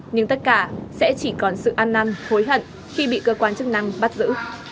nhưng tất cả sẽ chỉ còn sự an năn hối hận khi bị cơ quan chức năng bắt giữ